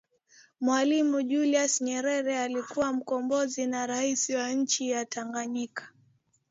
Mwalimu Julius nyerere alikuwa mkombozi na rais wa nchi ya Tanganyika